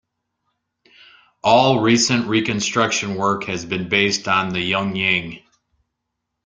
All recent reconstruction work has been based on the "Yunjing".